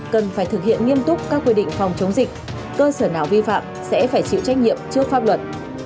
cần phải thực hiện nghiêm túc các quy định phòng chống dịch cơ sở nào vi phạm sẽ phải chịu trách nhiệm trước pháp luật